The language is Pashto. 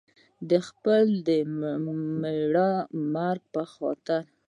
د خپل مېړه د مرګ په خاطر.